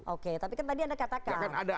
oke tapi kan tadi anda katakan